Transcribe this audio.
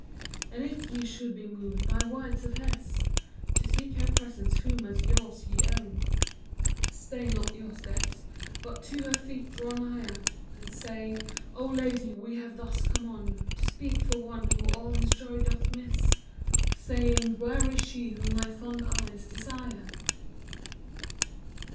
And if ye should be moved by words of his To seek her presence whom as yours ye own, ^^ Stay not your steps, but to her feet draw nigher, And say, "O Lady, we have thus come on To speak for one who all his joy doth miss. Saying, 'Where is she whom my fond eyes desire